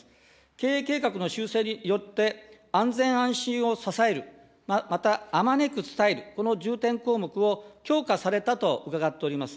経営計画の修正によって、安全・安心を支える、またあまねく伝える、この重点項目を強化されたと伺っております。